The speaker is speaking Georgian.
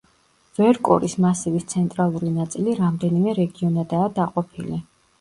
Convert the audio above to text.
ვერკორის მასივის ცენტრალური ნაწილი რამდენიმე რეგიონადაა დაყოფილი.